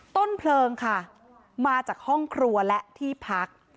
ต้นเพลิงค่ะมาจากห้องครัวและที่พัก